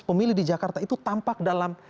pemilih di jakarta itu tampak dalam